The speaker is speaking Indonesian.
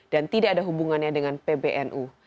dan tidak ada hubungannya dengan pbnu